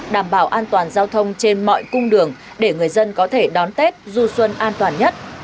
đảm bảo an toàn giao thông trên mọi cung đường để người dân có thể đón tết du xuân an toàn nhất